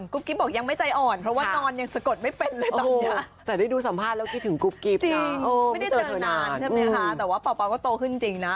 จริงไม่ได้เจอนานใช่ไหมคะแต่ว่าเป่าก็โตขึ้นจริงนะ